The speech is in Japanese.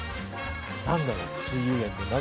何だろう？